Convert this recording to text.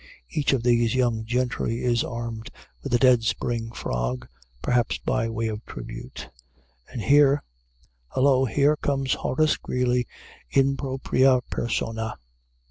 Each of these young gentry is armed with a dead spring frog, perhaps by way of tribute. And here hollo! here comes Horace Greeley _in propria persona!